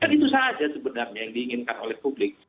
kan itu saja sebenarnya yang diinginkan oleh publik